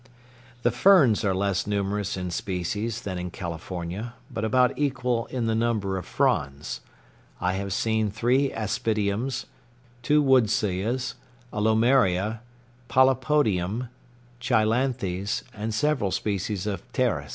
The ferns are less numerous in species than in California, but about equal in the number of fronds. I have seen three aspidiums, two woodsias, a lomaria, polypodium, cheilanthes, and several species of pteris.